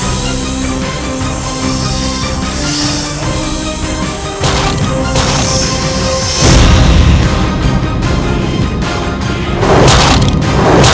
ada yang terhadap mteleponu yang membuat tempat ini lebih berat